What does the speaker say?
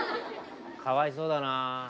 かわいそうだな。